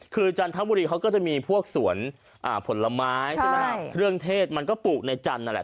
คือจันทบุรีเขาก็จะมีพวกสวนผลไม้เรื่องเทศมันก็ปลูกในจันทบุรี